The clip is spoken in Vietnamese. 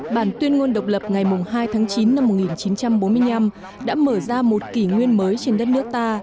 bản tuyên ngôn độc lập ngày hai tháng chín năm một nghìn chín trăm bốn mươi năm đã mở ra một kỷ nguyên mới trên đất nước ta